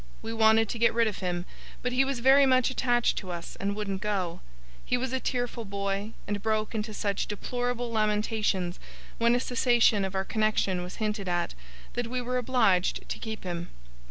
We wanted to get rid of him, but he was very much attached to us, and wouldn't go. He was a tearful boy, and broke into such deplorable lamentations, when a cessation of our connexion was hinted at, that we were obliged to keep him.